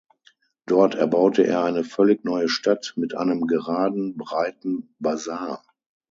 Dort erbaute er eine völlig neue Stadt mit einem geraden breiten Basar.